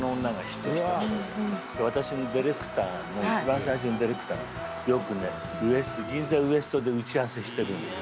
私のディレクターの一番最初のディレクターよくね銀座ウエストで打ち合わせしてるの。